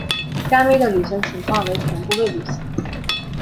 甘薇的履行情况为全部未履行。